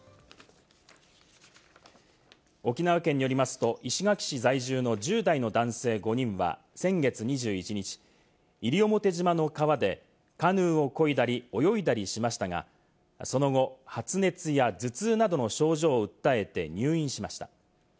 沖縄県によりますと、石垣市在住の１０代の男性５人は先月２１日、西表島の川でカヌーを漕いだり泳いだりしましたが、その後、発熱や頭痛などの症状を訴えて入院しました。